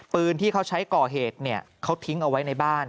ปืนที่เขาใช้ก่อเหตุเขาทิ้งเอาไว้ในบ้าน